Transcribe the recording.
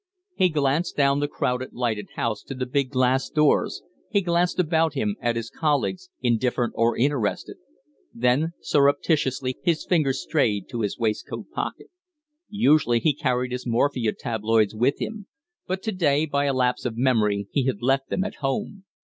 He glanced down the crowded, lighted House to the big glass doors; he glanced about him at his colleagues, indifferent or interested; then surreptitiously his fingers strayed to his waistcoat pocket. Usually he carried his morphia tabloids with him, but to day by a lapse of memory he had left them at home.